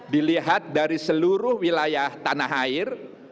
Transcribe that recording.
dilihat dari seluruh wilayah tanah air